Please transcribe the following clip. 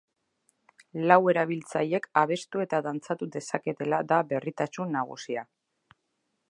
Lau erabiltzailek abestu eta dantzatu dezaketela da berritasun nagusia.